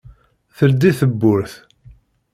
Teldi tewwurt.